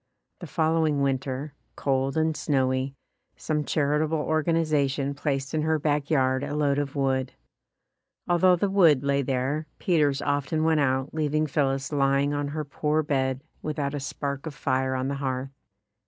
The following winter, cold and snowy, some charitable organization placed in her back yard a load of wood. Although the wood lay there, Peters often went out, leaving Phillis lying on her poor bed without a spark of fire on the hearth.